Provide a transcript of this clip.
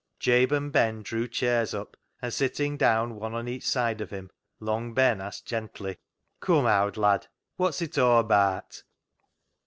Jabe and Ben drew chairs up, and sitting down one on each side of him, Long Ben asked gently —" Come, owd lad, wot's it aw abaat